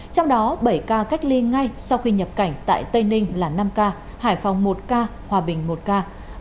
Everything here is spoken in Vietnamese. trong đó bảy ca cách ly ngay sau khi nhập cảnh tại tây ninh là năm ca hải phòng một ca hòa bình một ca